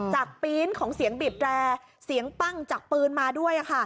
ปีนของเสียงบีบแร่เสียงปั้งจากปืนมาด้วย